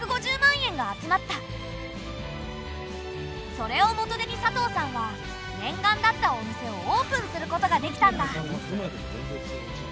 それを元手に佐藤さんは念願だったお店をオープンすることができたんだ！